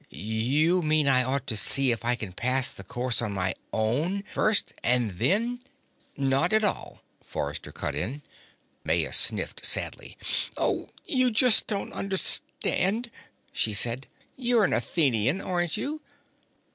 "You mean, I ought to see if I can pass the course on my own first, and then " "Not at all," Forrester cut in. Maya sniffed sadly. "Oh, you just don't understand," she said. "You're an Athenian, aren't you?"